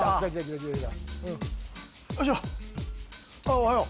おはよう。